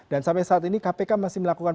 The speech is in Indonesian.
dan sampai saat ini kpk masih melakukan